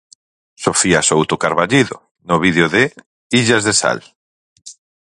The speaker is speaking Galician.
Sofía Souto Carballido, no vídeo de "Illas de Sal".